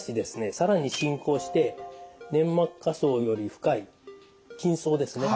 更に進行して粘膜下層より深い筋層ですね。